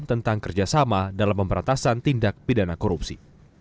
tentang kerjasama dalam pemberantasan tindak pidana korupsi